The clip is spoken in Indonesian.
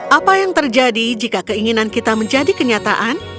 apa yang terjadi jika keinginan kita menjadi kenyataan